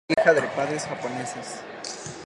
Es hija de padres japoneses.